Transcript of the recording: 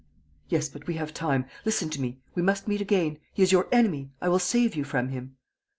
"Yes, but we have time.... Listen to me.... We must meet again.... He is your enemy.... I will save you from him...."